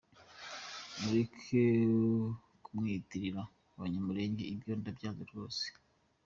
Mureke kumwitirira abanyamulenge , ibyo ndabyanze rwose.